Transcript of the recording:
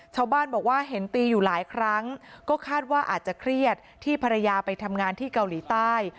ชาวบ้านบอกว่าเห็นตีอยู่หลายครั้งก็คาดว่าอาจจะเครียดที่ภรรยาไปทำงานที่เกาหลีใต้